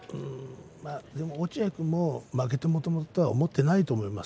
落合君も負けてもともととは思っていないと思います。